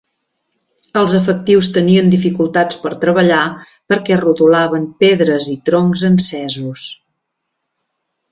Els efectius tenien dificultats per treballar perquè rodolaven pedres i troncs encesos.